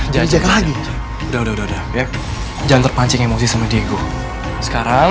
jangan terpancing emosi sama diego sekarang